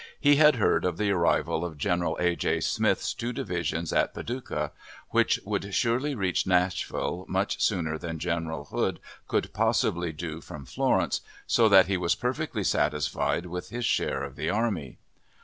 He had heard of the arrival of General A. J. Smith's two divisions at Paducah, which would surely reach Nashville much sooner than General Hood could possibly do from Florence, so that he was perfectly satisfied with his share of the army.